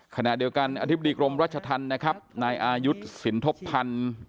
ขณะเดียวกันอธิบดีกรมรัชธรรมนายอายุทธิ์สินทบพันธ์